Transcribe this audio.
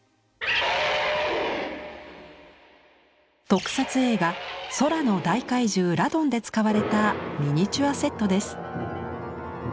特撮映画「空の大怪獣ラドン」で使われたミニチュアセットです。